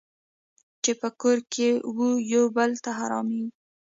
چې په کور کې وو یو بل ته حرامېږي.